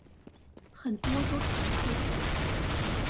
很多都重複